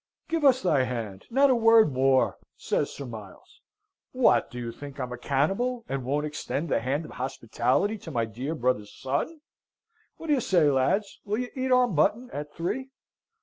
"Give us thy hand. Not a word more," says Sir Miles "What? do you think I'm a cannibal, and won't extend the hand of hospitality to my dear brother's son? What say you, lads? Will you eat our mutton at three?